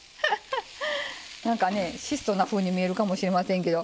質素なふうに見えるかもしれませんけど。